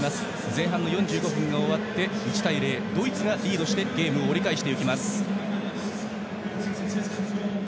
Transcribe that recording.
前半４５分が終わって１対０でドイツリードでゲームを折り返していきます。